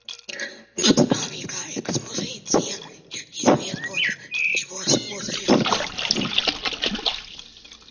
Pastāvīgā ekspozīcija ir izvietota divos muzeja stāvos.